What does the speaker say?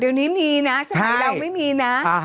เดี๋ยวนี้มีนะช่างหาวไม่มีนะ